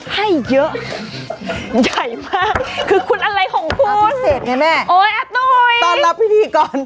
ให้เยอะใหญ่มากคือคุณอะไรของคุณป่ะโอ้ยอตุ๋ยต้อนรับพี่ธี้อก่อน